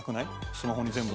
スマホに全部。